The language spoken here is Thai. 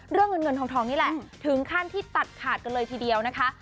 เรื่องเงินเงินทองนี่แหละถึงขั้นที่ตัดขาดกันเลยทีเดียวนะคะ